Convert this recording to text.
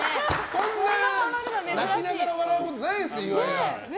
こんな泣きながら笑うことないですよ、岩井が。